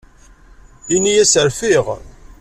Ini-as rfiɣ.